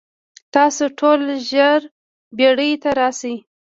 تاسو ټول ژر بیړۍ ته راشئ.